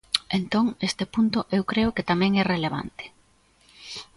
Entón, este punto eu creo que tamén é relevante.